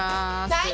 はい！